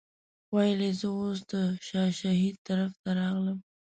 ویل یې زه اوس د شاه شهید طرف ته راغلم.